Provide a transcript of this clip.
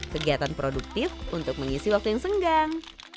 kegiatan produktif untuk mengisi waktu yang senggang